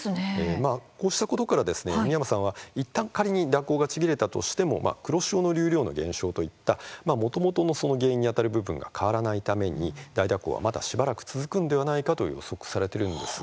こうしたことから美山さんは、いったん仮に蛇行がちぎれたとしても黒潮の流量の減少といったもともとのその原因にあたる部分が変わらないために大蛇行は、まだしばらく続くのではないかと予測されているんです。